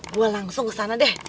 gue langsung kesana deh